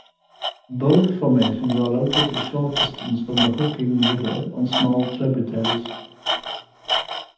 Both formations are located a short distance from the Hocking River on small tributaries.